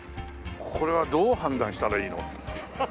これはどう判断したらいいの？